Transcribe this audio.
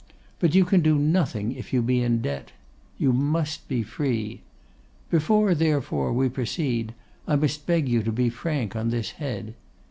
But you can do nothing if you be in debt. You must be free. Before, therefore, we proceed, I must beg you to be frank on this head.